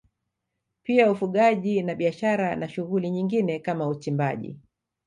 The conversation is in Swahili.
Pia ufugaji na biashara na shughuli nyingine kama uchimbaji